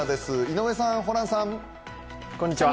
井上さん、ホランさん。